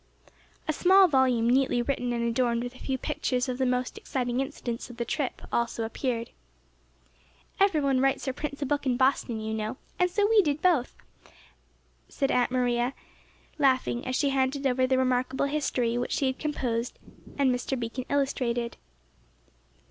A small volume neatly written and adorned with a few pictures of the most exciting incidents of the trip also appeared. "Every one writes or prints a book in Boston, you know, so we did both," said Aunt Maria, laughing, as she handed over the remarkable history which she had composed and Mr. Beacon illustrated.